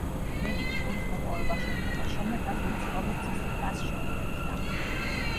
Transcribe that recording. მეტი ტიტულის მოპოვება შეძლო მას შემდეგ, რაც მოსკოვის „ცსკა–ს“ შეუერთდა.